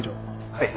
はい。